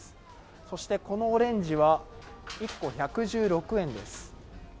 そしてこのオレンジは、１個１１６円です。